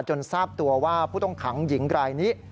ทราบตัวว่าผู้ต้องขังหญิงรายนี้